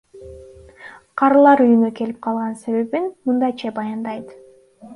Карылар үйүнө келип калган себебин мындайча баяндайт.